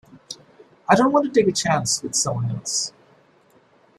I don't want to take a chance with someone else.